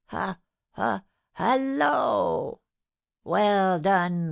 Hu! hu! hallo! Well done!